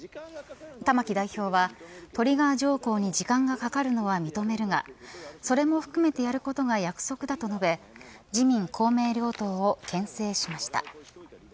玉木代表はトリガー条項に時間がかかるのは認めるがそれも含めてやることが約束だと述べ自民、公明両党をけん制しました。